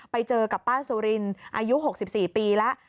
ไปเจอกับป้าสุรินอายุ๖๔ปีแล้ว